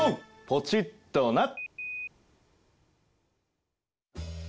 ポチッとな。